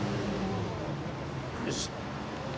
よし！